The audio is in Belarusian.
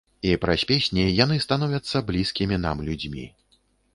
І праз песні яны становяцца блізкімі нам людзьмі.